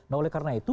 nah oleh karena itu